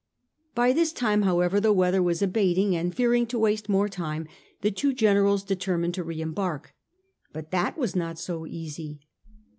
By this time, however, the weather was abating, and fearing to waste more time, the two generals determined to re embark. But that was not so easy.